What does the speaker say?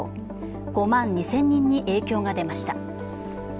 ５万２０００人に影響が出ました。